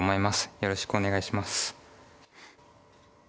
よろしくお願いします。